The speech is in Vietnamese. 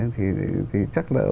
thì chắc là